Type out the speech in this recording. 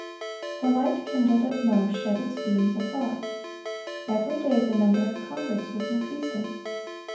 The light kindled at Meaux shed its beams afar. Every day the number of converts was increasing.